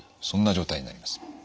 そんな状態になります。